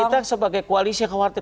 kita sebagai koalisi khawatir